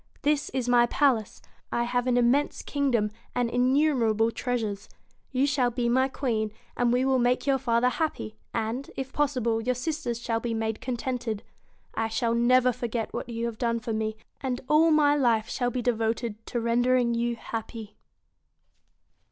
This is my palace, I have an im mense kingdom and innumerable treasures. You shall be my queen, and we will make your father happy, and, if possible, your sisters shall be made contented. I shall never forget what you have done for me, and all my life shall be devoted to rendering you happy.'